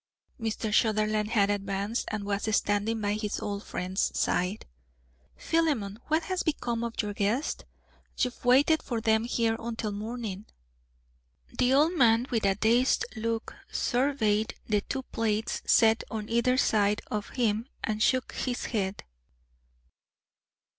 Mr. Sutherland had advanced and was standing by his old friend's side. "Philemon, what has become of your guests? You've waited for them here until morning." The old man with a dazed look surveyed the two plates set on either side of him and shook his head.